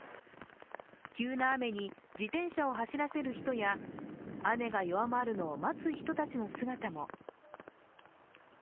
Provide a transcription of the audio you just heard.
急な雨に自転車を走らせる人や雨が弱まるのを待つ人たちの姿も。